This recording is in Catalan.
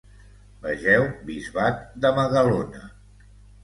Vegeu bisbat de Magalona.